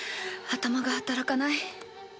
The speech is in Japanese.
頭が働かない